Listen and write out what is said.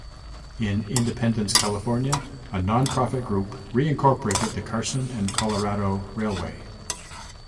In Independence, California, a non-profit group re-incorporated the Carson and Colorado Railway.